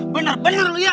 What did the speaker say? bener bener lu ya